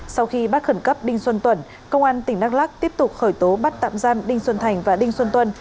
sau khi bắt khẩn cấp đinh xuân tuẩn công an tỉnh đắk lắc tiếp tục khởi tố bắt tạm giam đinh xuân thành và đinh xuân tuân